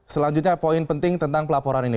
selanjutnya poin penting tentang pelaporan ini